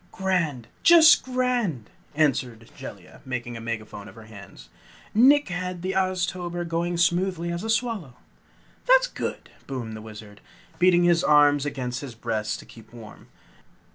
"Grand, just grand!" answered Jellia, making a megaphone of her hands. "Nick had the Oztober going smoothly as a swallow." "That's good!" boomed the Wizard, beating his arms against his breast to keep warm.